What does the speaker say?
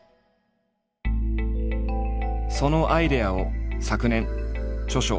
そのアイデアを昨年著書